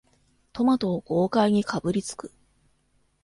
トマトを豪快にかぶりつく